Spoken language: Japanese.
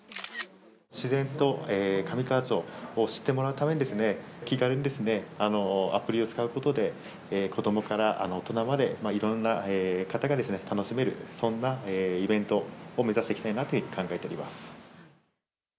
自然と上川町を知ってもらうために、気軽にアプリを使うことで、子どもから大人まで、いろんな方が楽しめる、そんなイベントを目指していきたいなというふうに考えております。